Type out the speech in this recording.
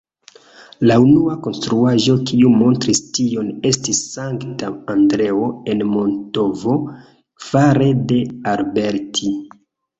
La unua konstruaĵo kiu montris tion estis Sankta Andreo en Mantovo fare de Alberti.